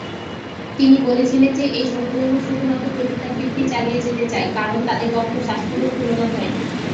তিনি বলেছিলেন যে এই সংখ্যালঘু শুধুমাত্র পতিতাবৃত্তি চালিয়ে যেতে চায় কারণ "তাদের কখনও স্বাস্থ্যকর তুলনা হয়নি।"